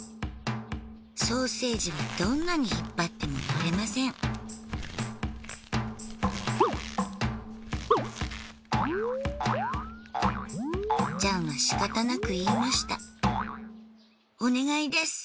ソーセージはどんなに引っ張っても取れませんジャンはしかたなく言いましたお願いです。